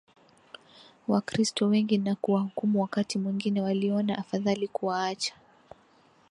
Wakristo wengi na kuwahukumu Wakati mwingine waliona afadhali kuwaacha